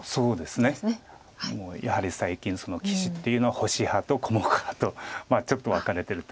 もうやはり最近棋士っていうのは星派と小目派とちょっと分かれてるところが。